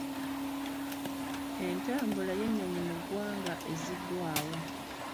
Entambula y'ennyonyi mu ggwanga ezziddwawo.